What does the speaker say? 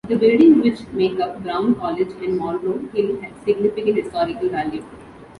The buildings which make up Brown College and Monroe Hill have significant historical value.